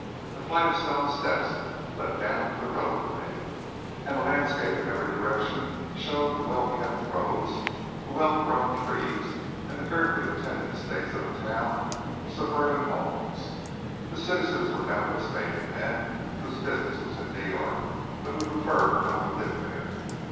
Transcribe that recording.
A flight of stone steps led down to the roadway, and the landscape in every direction showed the well kept roads, the well grown trees and the carefully tended estates of a town of suburban homes. The citizens were doubtless mainly men whose business was in New York, but who preferred not to live there.